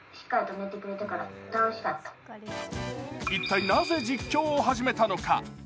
一体なぜ実況を始めたのか。